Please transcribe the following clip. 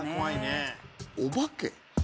お化け？